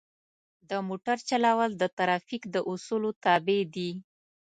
د موټر چلول د ترافیک د اصولو تابع دي.